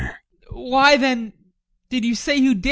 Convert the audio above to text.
Why, then, did you say you did?